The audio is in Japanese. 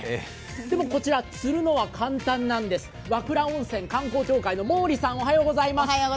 でも、こちら釣るのは簡単なんです和倉温泉観光協会の毛利さん、おはようございます。